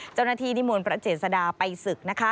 เจ้าหน้าที่นิมวลพระเจษฎาไปศึก